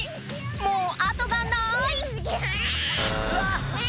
もうあとがない！